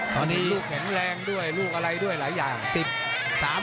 ตอนนี้ลูกแข็งแรงด้วยลูกอะไรด้วยหลายอย่าง